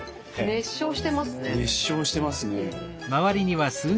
熱唱してますね。